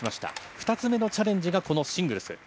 ２つ目のチャレンジがこのシングルス。